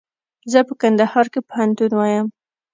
زه په کندهار کښي پوهنتون وایم.